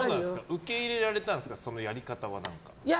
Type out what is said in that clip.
受け入れられたんですかそのやり方は。